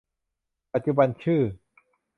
ปัจจุบันชื่อ